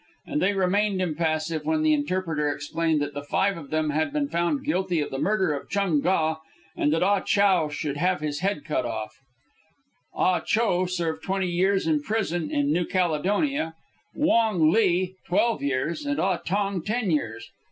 And they remained impassive when the interpreter explained that the five of them had been found guilty of the murder of Chung Ga, and that Ah Chow should have his head cut off, Ah Cho serve twenty years in prison in New Caledonia, Wong Li twelve years, and Ah Tong ten years.